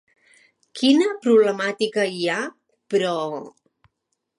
Quina problemàtica hi ha, però?